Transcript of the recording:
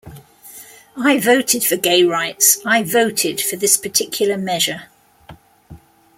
I voted for gay rights, I voted for this particular measure.